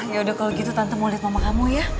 yaudah kalau gitu tante mau liat mama kamu ya